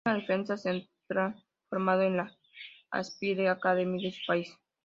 Es un defensa central formado en la Aspire Academy de su país.